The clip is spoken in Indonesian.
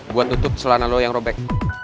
buat tutup selana lo yang robek